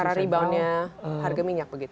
karena rebound nya harga minyak begitu ya